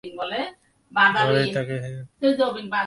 ঘরেই থাকে, সে ঘরের দরজা বন্ধ।